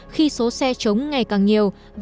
khi số xe chống ngày càng nhiều